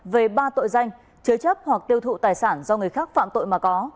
về ba tội danh chứa chấp hoặc tiêu thụ tài sản do người khác phạm tội mà có